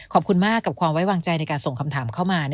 ขอบคุณมากกับความไว้วางใจในการส่งคำถามเข้ามา